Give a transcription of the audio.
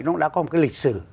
nó đã có một lịch sử